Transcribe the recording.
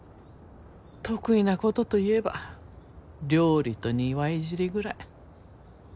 得意なことといえば料理と庭いじりぐらい。